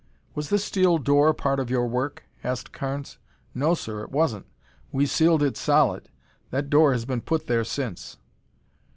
"Was this steel door part of your work?" asked Carnes. "No, sir, it wasn't. We sealed it solid. That door has been put there since."